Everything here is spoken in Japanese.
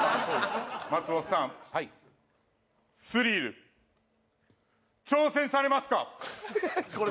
松本さんはいスリル挑戦されますか？